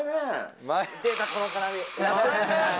出た、この絡み。